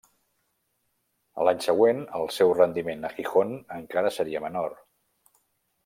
A l'any següent, el seu rendiment a Gijón encara seria menor.